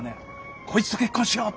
こいつと結婚しようって。